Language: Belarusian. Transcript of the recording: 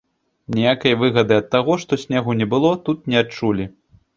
Ніякай выгады ад таго, што снегу не было, тут не адчулі.